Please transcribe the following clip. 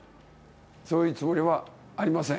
そういうつもりはありません。